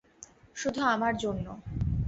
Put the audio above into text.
শুধু আমার জন্য।